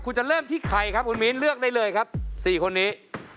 คุณจะเริ่มที่ใครครับคุณมิ้นเลือกได้เลยครับ๔คนนี้